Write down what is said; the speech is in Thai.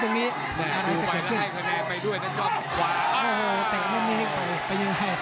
หวยไว้ถ่ายผักแล้วให้คะแนนไปด้วย